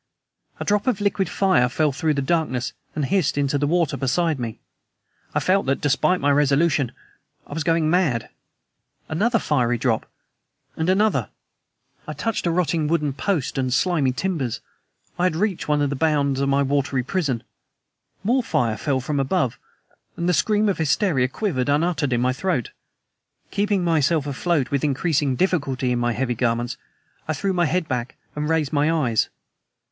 A drop of liquid fire fell through the darkness and hissed into the water beside me! I felt that, despite my resolution, I was going mad. Another fiery drop and another! I touched a rotting wooden post and slimy timbers. I had reached one bound of my watery prison. More fire fell from above, and the scream of hysteria quivered, unuttered, in my throat. Keeping myself afloat with increasing difficulty in my heavy garments, I threw my head back and raised my eyes.